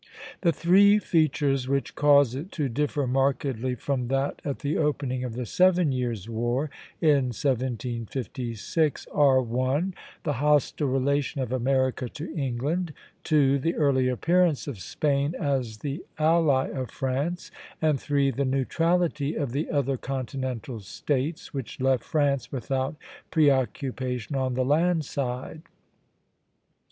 The three features which cause it to differ markedly from that at the opening of the Seven Years' War, in 1756, are (1) the hostile relation of America to England; (2) the early appearance of Spain as the ally of France; and (3) the neutrality of the other continental States, which left France without preoccupation on the land side.